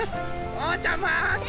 おうちゃんまって。